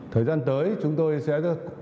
thời gian tới chúng tôi sẽ